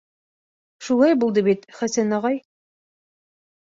Шулай булды бит, Хәсән ағай?..